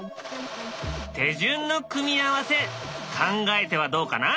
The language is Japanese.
手順の組み合わせ考えてはどうかな？